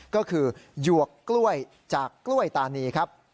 ก็คือหยวกกล้วยจากกล้วยตานีครับ